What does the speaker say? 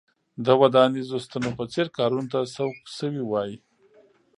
د ودانیزو ستنو په څېر کارونو ته سوق شوي وای.